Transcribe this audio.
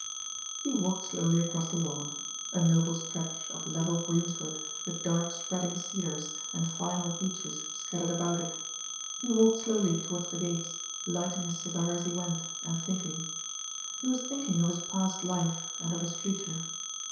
He walked slowly across the lawn a noble stretch of level greensward with dark spreading cedars and fine old beeches scattered about it; he walked slowly towards the gates, lighting his cigar as he went, and thinking. He was thinking of his past life, and of his future.